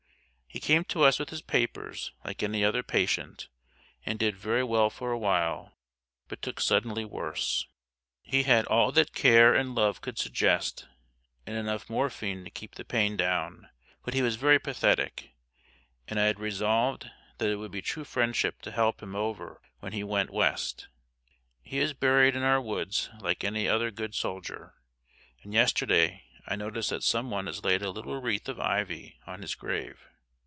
He came to us with his papers like any other patient, and did very well for a while, but took suddenly worse. He had all that care and love could suggest and enough morphine to keep the pain down; but he was very pathetic, and I had resolved that it would be true friendship to help him over when he "went west". He is buried in our woods like any other good soldier, and yesterday I noticed that some one has laid a little wreath of ivy on his grave.